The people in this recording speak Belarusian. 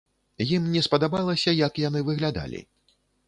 Ім не спадабалася, як яны выглядалі.